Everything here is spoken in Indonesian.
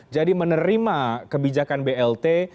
jadi menerima kebijakan blt